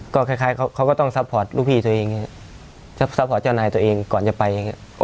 ก็คล้ายเขาก็ต้องซัพพอร์ตลูกพี่ตัวเองซัพพอร์ตเจ้านายตัวเองก่อนจะไปอย่างนี้